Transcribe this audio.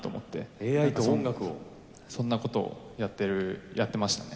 そんなことをやってるやってましたね。